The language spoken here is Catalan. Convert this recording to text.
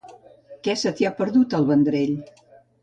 Què se t'hi ha perdut, a el Vendrell?